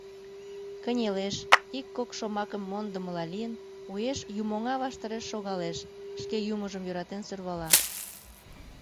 Кынелеш, ик-кок шомакым мондымыла лийын, уэш юмоҥа ваштареш шогалеш, шке Юмыжым йӧратен сӧрвала: